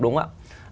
đúng không ạ